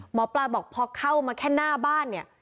หมอปลาบอกพอเข้ามาแค่หน้าบ้านเนี่ย